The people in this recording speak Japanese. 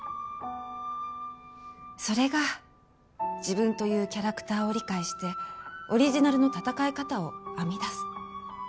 それが自分というキャラクターを理解してオリジナルの戦い方を編み出す。